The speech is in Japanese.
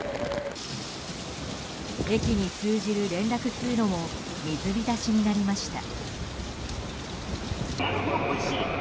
駅に通じる連絡通路も水浸しになりました。